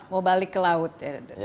mau balik ke laut